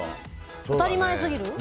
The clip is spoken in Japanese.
当たり前すぎる？